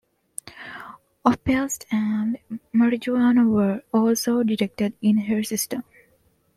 Opiates and marijuana were also detected in her system.